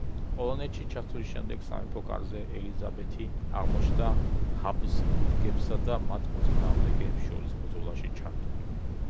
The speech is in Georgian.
პოლონეთში ჩასვლის შემდეგ, სამეფო კარზე ელიზაბეთი აღმოჩნდა ჰაბსბურგებსა და მათ მოწინააღმდეგეებს შორის ბრძოლაში ჩართული.